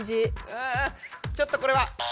うんちょっとこれは。